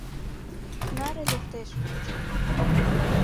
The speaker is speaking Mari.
— Тынаре лектеш, кочай.